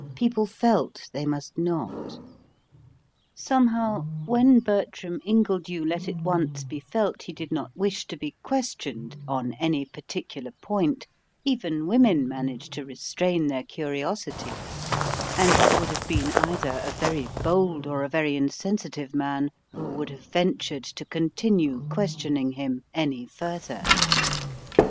People felt they must not. Somehow, when Bertram Ingledew let it once be felt he did not wish to be questioned on any particular point, even women managed to restrain their curiosity: and he would have been either a very bold or a very insensitive man who would have ventured to continue questioning him any further.